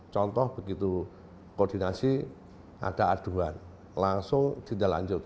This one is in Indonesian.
contoh begitu koordinasi ada aduan langsung tindak lanjut